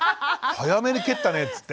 早めに蹴ったねっつって。